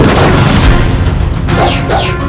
jangan paham kuradagun